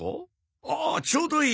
あっちょうどいい。